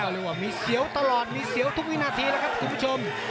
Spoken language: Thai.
เรียกว่ามีเสียวตลอดมีเสียวทุกวินาทีนะครับคุณผู้ชม